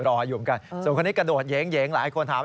รออยู่เหมือนกันส่วนคนนี้กระโดดเย้งหลายคนถาม